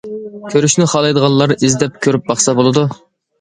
كۆرۈشنى خالايدىغانلار ئىزدەپ كۆرۈپ باقسا بولىدۇ.